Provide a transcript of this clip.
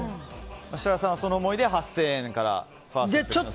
設楽さんは、その思いで８０００円からスタート。